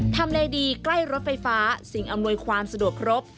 เลดีใกล้รถไฟฟ้าสิ่งอำนวยความสะดวกครบ